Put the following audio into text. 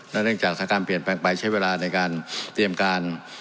เนื่องจากสถานการณ์เปลี่ยนแปลงไปใช้เวลาในการเตรียมการ